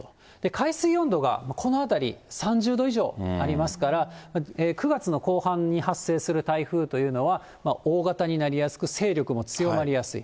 海水温度がこの辺り、３０度以上ありますから、９月の後半に発生する台風というのは、大型になりやすく、勢力も強まりやすい。